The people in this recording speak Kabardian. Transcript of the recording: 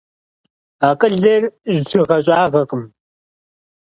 Акъылыр жьыгъэ-щӀагъэкъым.